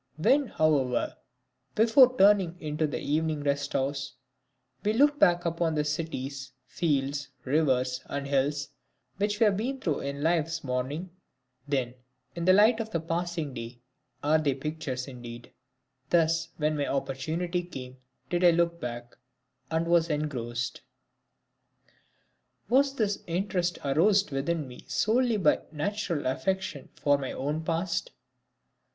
When, however, before turning into the evening resthouse, we look back upon the cities, fields, rivers and hills which we have been through in Life's morning, then, in the light of the passing day, are they pictures indeed. Thus, when my opportunity came, did I look back, and was engrossed. Was this interest aroused within me solely by a natural affection for my own past?